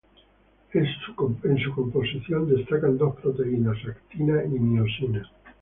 En su composición destacan dos proteínas: actina y miosina.